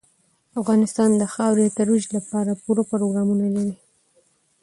افغانستان د خاورې د ترویج لپاره پوره پروګرامونه لري.